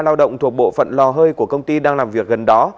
lao động thuộc bộ phận lò hơi của công ty đang làm việc gần đó